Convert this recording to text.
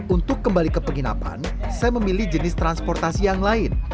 untuk kembali ke penginapan saya memilih jenis transportasi yang lain